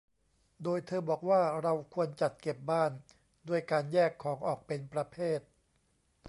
โดยเธอบอกว่าเราควรจัดเก็บบ้านด้วยการแยกของออกเป็นประเภท